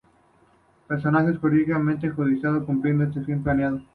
La persona jurídica encuentra su justificación en el cumplimiento de ese fin planteado.